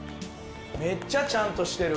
めっちゃちゃんとしてる。